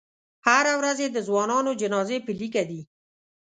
هره ورځ یې د ځوانانو جنازې په لیکه دي.